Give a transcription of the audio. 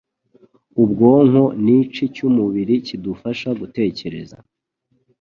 Ubwonko n'ice cy'umubiri kidufasha gutekereza,